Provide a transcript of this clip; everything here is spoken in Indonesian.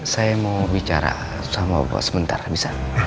saya mau bicara sama bapak sementara bisa